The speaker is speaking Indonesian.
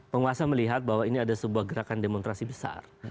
penguasa melihat bahwa ini ada sebuah gerakan demonstrasi besar